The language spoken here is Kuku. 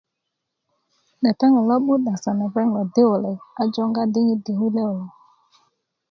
lepeŋ lo lo'but asan lepeŋ lo di wulek a jonga diŋit gbege kulekulo